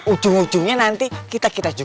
ujung ujungnya nanti kita kita juga